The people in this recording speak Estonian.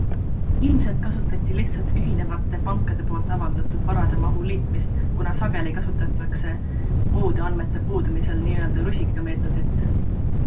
Ilmselt kasutati lihtsalt ühinevate pankade poolt avaldatud varade mahu liitmist, kuna sageli kasutatakse muude andmete puudumisel nn. rusikameetodit.